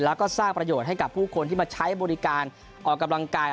แล้วก็สร้างประโยชน์ให้กับผู้คนที่มาใช้บริการออกกำลังกาย